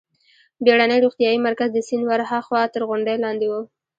بېړنی روغتیايي مرکز د سیند ورهاخوا تر غونډۍ لاندې و.